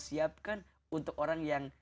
siapkan untuk orang yang